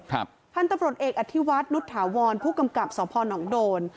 ท่านตำรวจเอกอธิวัฒน์นุษย์ถาวรผู้กำกับสนโดน